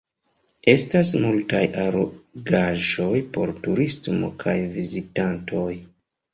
Estas multaj allogaĵoj por turismo kaj vizitantoj.